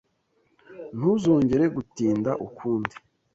Ntuzongere gutinda ukundi.